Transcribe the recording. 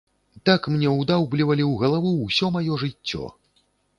Так мне ўдаўблівалі ў галаву ўсё маё жыццё.